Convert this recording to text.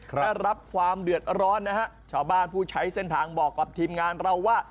ได้รับความเดือดร้อนนะฮะชาวบ้านผู้ใช้เส้นทางบอกกับทีมงานเราว่า